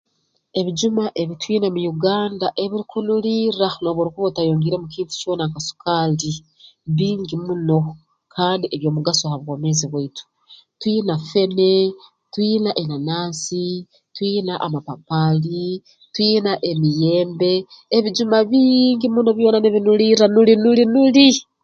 Ebijuma ebi twine mu Uganda ebirukunulirra nobu orukuba otayongiiremu kintu kyona nka sukaali bingi muno kandi eby'omugaso ha bwomeezi bwaitu twina fene twina enanaasi twina amapapaali twina emiyembe ebijuma bingi muno byona nibinulirra nuli nuli nuli